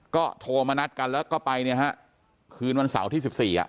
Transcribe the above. ก็โทรมานัดกันแล้วก็ไปเนี่ยฮะคืนวันเสาร์ที่๑๔อ่ะ